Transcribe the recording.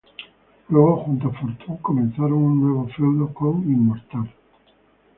Luego junto a Fortune comenzaron un nuevo feudo con Immortal.